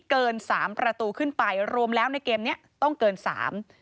เกินสามประตูขึ้นไปรวมแล้วในเกมเนี้ยต้องเกินสาม